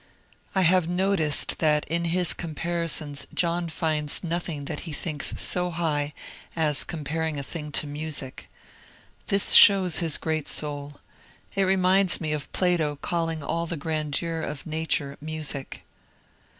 I have noticed that in his comparisons John finds nothing that he thinks so high as comparing a thing to music. This shows his great soul. It remmds me of Plato calling all the grandeur of Nature music.